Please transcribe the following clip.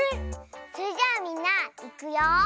それじゃあみんないくよ。